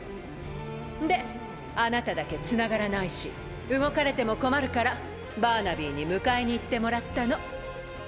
であなただけつながらないし動かれても困るからバーナビーに迎えに行ってもらったの。